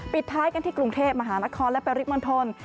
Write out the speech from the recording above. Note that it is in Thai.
ปิดท้ายกันที่กรุงเทพมหานครและปริมณฑล